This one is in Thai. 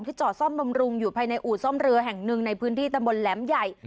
จอดซ่อมบำรุงอยู่ภายในอู่ซ่อมเรือแห่งหนึ่งในพื้นที่ตำบลแหลมใหญ่